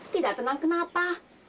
tidak tenang kenapa